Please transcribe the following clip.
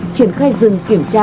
triển khai dừng kiểm tra